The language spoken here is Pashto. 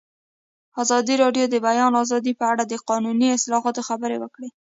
ازادي راډیو د د بیان آزادي په اړه د قانوني اصلاحاتو خبر ورکړی.